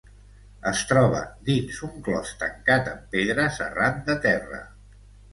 Es troba dins un clos tancat amb pedres arran de terra.